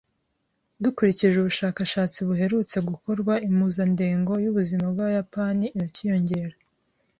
Dukurikije ubushakashatsi buherutse gukorwa, impuzandengo y'ubuzima bw'Abayapani iracyiyongera